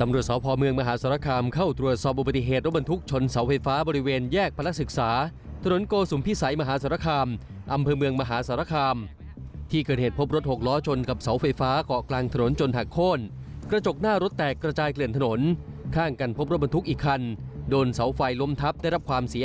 ตำรวจสพเมืองมหาสารคามเข้าตรวจสอบอุบัติเหตุรถบรรทุกชนเสาไฟฟ้าบริเวณแยกพลักษึกษาถนนโกสุมพิสัยมหาสารคามอำเภอเมืองมหาสารคามที่เกิดเหตุพบรถหกล้อชนกับเสาไฟฟ้าเกาะกลางถนนจนหักโค้นกระจกหน้ารถแตกระจายเกลื่อนถนนข้างกันพบรถบรรทุกอีกคันโดนเสาไฟล้มทับได้รับความเสียหาย